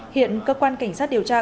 hiện cơ quan cảnh sát điều tra